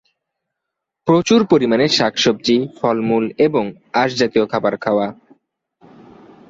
প্রচুর পরিমাণে শাক-সবজি, ফলমূল এবং আঁশজাতীয় খাবার খাওয়া।